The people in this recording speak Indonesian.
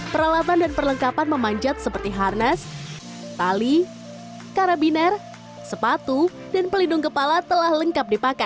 peralatan dan perlengkapan memanjat seperti harness tali karabiner sepatu dan pelindung kepala telah lengkap dipakai